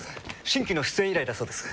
新規の出演依頼だそうです。